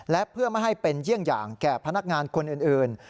และเพื่อไม่ให้เป็นเยี่ยงอย่างแก่พนักงานคนอื่น